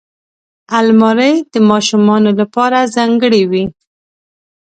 الماري د ماشومانو لپاره ځانګړې وي